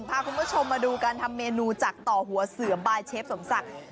พาคุณผู้ชมมาดูการทำเมนูจากต่อหัวเสือบายเชฟสมศักดิ์